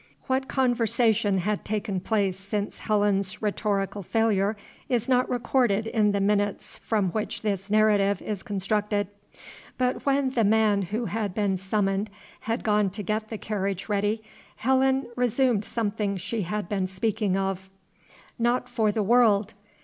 What conversation had taken place since Helen's rhetorical failure is not recorded in the minutes from which this narrative is constructed. But when the man who had been summoned had gone to get the carriage ready, Helen resumed something she had been speaking of. "Not for the world.